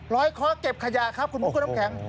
ร้อยคอเก็บขยะครับคุณพี่คุณน้องแข็ง